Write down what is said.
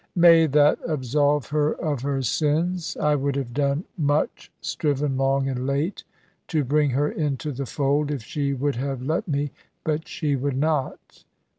"May that absolve her of her sins. I would have done much, striven long and late to bring her into the fold, if she would have let me, but she would not.